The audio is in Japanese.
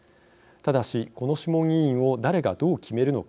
ただし、この諮問委員を誰がどう決めるのか。